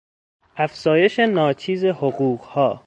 افزایش ناچیز حقوقها